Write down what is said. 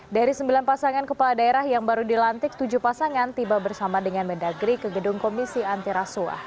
dari sembilan pasangan kepala daerah yang baru dilantik tujuh pasangan tiba bersama dengan mendagri ke gedung komisi antirasuah